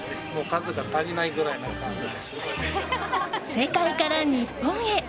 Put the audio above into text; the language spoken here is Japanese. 世界から日本へ。